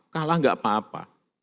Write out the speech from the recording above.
kalah enggak apa apa